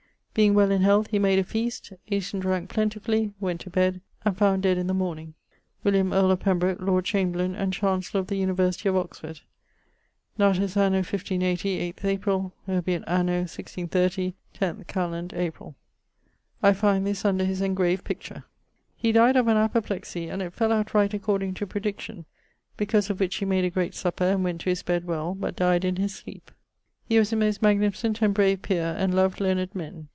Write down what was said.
Being well in health, he made a feast; ate and dranke plentifully; went to bed; and found dead in the morning. William, earle of Pembroke, Lord Chamberlain, and Chancellor of the University of Oxford: 'Natus Anno MDLXXX, viii Apr. Obiit Anno MDCXXX, x Calend. Apr.' I find this under his engraved picture. He dyed of an apoplexy, and it fell out right according to prediction, because of which he made a great supper, and went to his bed well, but dyed in his sleep. He was a most magnificent and brave peer, and loved learned men.